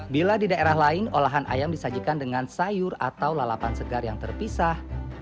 bila di daerah lain olahan ayam disajikan dengan sayur atau lalapan segar yang terpisah